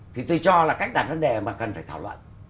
thì tôi cho là cách đặt vấn đề mà cần phải thảo luận